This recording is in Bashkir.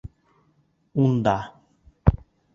Унда...